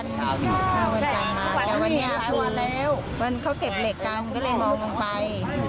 แต่วันเนี่ยมันเขาเก็บเล็กกันก็เลยมองลงไป